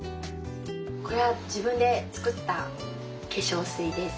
これは自分で作った化粧水です。